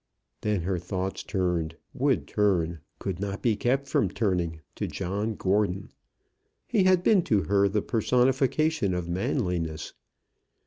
Then her thoughts turned, would turn, could not be kept from turning, to John Gordon. He had been to her the personification of manliness.